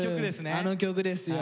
あの曲ですね！